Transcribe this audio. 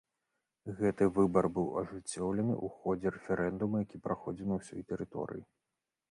Гэты выбар быў ажыццёўлены ў ходзе рэферэндуму, які праходзіў на ўсёй тэрыторыі.